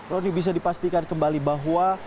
roni bisa dipastikan kembali bahwa